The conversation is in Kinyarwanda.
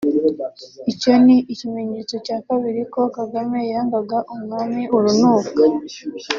Icyo ni ikimenyetso cya kabiri ko Kagame yangaga umwami urunuka